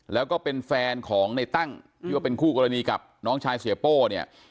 แล้วก็เป็นแฟนของในตั้งที่ว่าเป็นคู่กรณีกับน้องชายเสียโป้เนี่ย